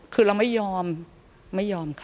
คือเราไม่ยอมไม่ยอมค่ะ